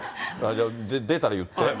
じゃあ、出たら言って。